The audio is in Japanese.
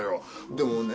でもね